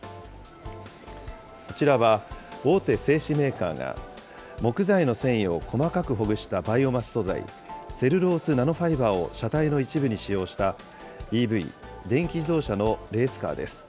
こちらは大手製紙メーカーが木材の繊維を細かくほぐしたバイオマス素材、セルロースナノファイバーを車体の一部に使用したＥＶ・電気自動車のレースカーです。